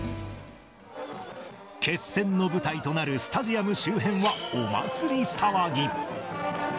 決戦の舞台となるスタジアム周辺はお祭り騒ぎ。